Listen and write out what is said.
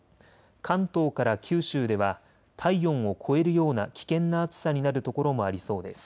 関東から九州では体温を超えるような危険な暑さになる所もありそうです。